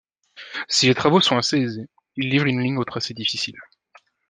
Si les travaux sont assez aisés, ils livrent une ligne au tracé difficile.